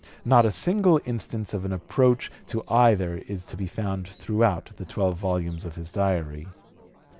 Not a single instance of an approach to either is to be found throughout the twelve volumes of his Diary.